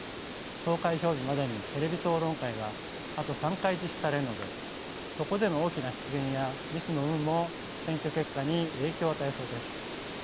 投開票日までにテレビ討論会があと３回実施されるのでそこでの大きな失言やミスの有無も選挙結果に影響を与えそうです。